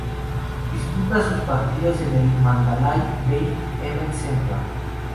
Disputa sus partidos en el Mandalay Bay Events Center.